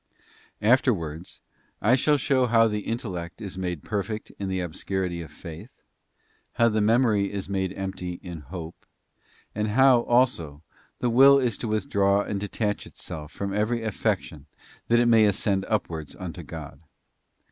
Afterwards, I shall show how the in tellect is made perfect in the obscurity of Faith, how the memory is made empty in Hope, and how, also, the will is to withdraw and detach itself from every affection that it may ascend upwards unto God.